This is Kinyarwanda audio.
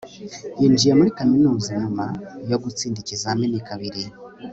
yinjiye muri kaminuza nyuma yo gutsinda ikizamini kabiri